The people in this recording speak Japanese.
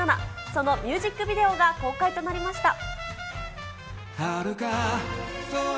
そのミュージックビデオが公開となりました。